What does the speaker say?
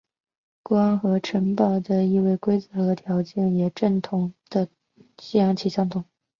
国王和城堡的易位规则和条件也和正统的西洋棋相同。